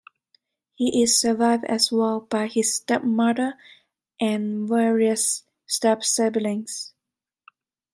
He is survived as well by his stepmother and various step-siblings.